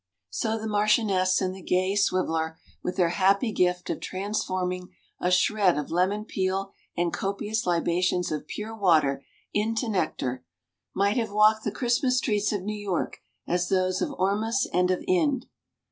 So the Marchioness and the gay Swiveller, with their happy gift of transforming a shred of lemon peel and copious libations of pure water into nectar, might have walked the Christmas streets of New York as those of Ormus and of Ind.